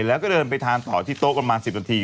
แล้วก็เดินไปทานต่อที่โต๊ะประมาณ๑๐นาที